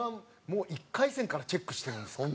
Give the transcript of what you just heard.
Ｍ−１１回戦からチェックしてるんですか？